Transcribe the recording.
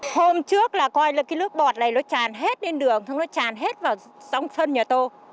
hôm trước là coi là cái nước bọt này nó tràn hết lên đường nó tràn hết vào sông sân nhà tôi